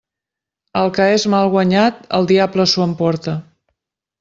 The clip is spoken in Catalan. El que és mal guanyat el diable s'ho emporta.